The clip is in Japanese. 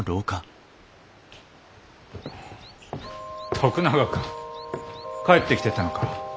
徳永君帰ってきてたのか。